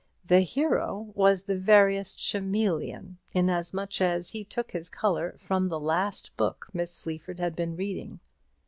The hero was the veriest chameleon, inasmuch as he took his colour from the last book Miss Sleaford had been reading.